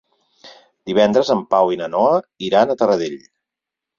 Divendres en Pau i na Noa iran a Taradell.